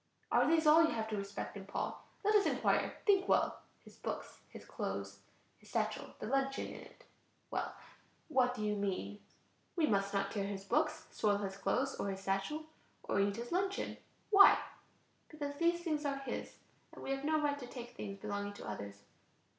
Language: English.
Are these all you have to respect in Paul? Let us enquire; think well. His books, his clothes, his satchel, the luncheon in it. Well. What do you mean? We must not tear his books, soil his clothes or his satchel, or eat his luncheon. Why? Because these things are his and we have no right to take things belonging to others.